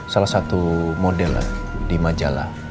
salah satu model di majalah